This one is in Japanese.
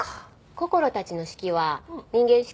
こころたちの式は人間式？